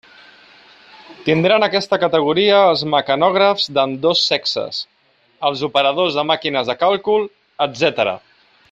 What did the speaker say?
Tindran aquesta categoria els mecanògrafs d'ambdós sexes, els operadors de màquines de càlcul, etcètera.